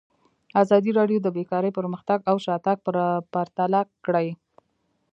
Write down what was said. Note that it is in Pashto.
ازادي راډیو د بیکاري پرمختګ او شاتګ پرتله کړی.